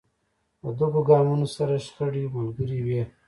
له دغو ګامونو سره شخړې ملګرې وې.